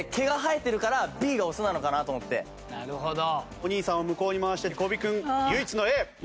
お兄さんを向こうに回して小尾君唯一のＡ。